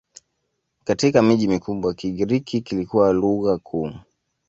Katika miji mikubwa Kigiriki kilikuwa lugha kuu.